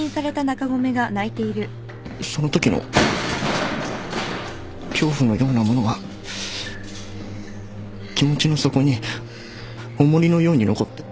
そのときの恐怖のようなものが気持ちの底に重荷のように残って。